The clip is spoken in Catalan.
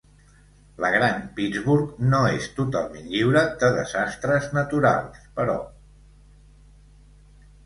La gran Pittsburgh no és totalment lliure de desastres naturals, però.